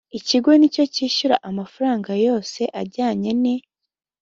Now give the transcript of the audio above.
ikigo ni cyo cyishyura amafaranga yose ajyanye n